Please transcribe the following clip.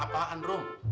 amanah apaan rum